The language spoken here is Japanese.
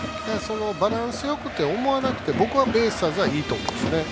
バランスよくと思わなくていいと僕はベイスターズはいいと思うんですね。